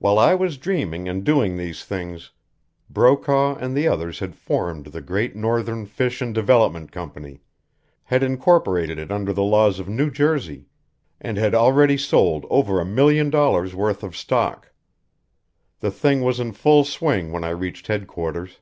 While I was dreaming and doing these things, Brokaw and the others had formed the Great Northern Fish and Development Company, had incorporated it under the laws of New Jersey, and had already sold over a million dollars' worth of stock! The thing was in full swing when I reached headquarters.